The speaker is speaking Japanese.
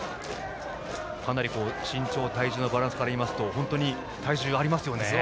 かなり身長・体重のバランスからいいますと本当に体重がありますよね。